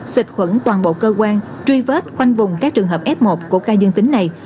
xịt khuẩn toàn bộ cơ quan truy vết khoanh vùng các trường hợp f một của ca dương tính này